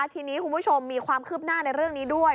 ทีนี้คุณผู้ชมมีความคืบหน้าในเรื่องนี้ด้วย